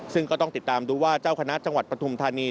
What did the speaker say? ซึ่งก็ต้องติดตามดูว่าเจ้าคณะจังหวัดปฐุมธานี